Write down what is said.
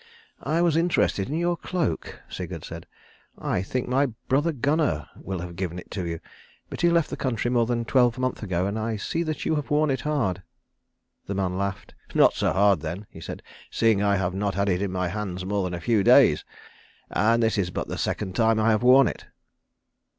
"I was interested in your cloak," Sigurd said. "I think my brother Gunnar will have given it to you. But he left the country more than a twelvemonth ago, and I see that you have worn it hard." The man laughed. "Not so hard then," he said, "seeing I have not had it in my hands more than a few days, and this is but the second time I have worn it."